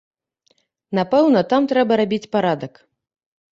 Напэўна, там трэба рабіць парадак.